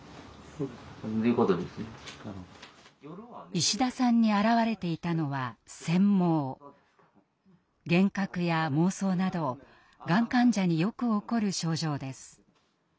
石田さんに現れていたのは幻覚や妄想などがん患者によく起こる症状です。